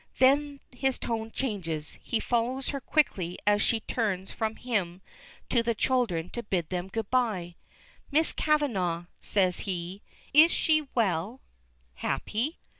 Then his tone changes he follows her quickly as she turns from him to the children to bid them good bye. "Miss Kavanagh," says he, "is she well happy?"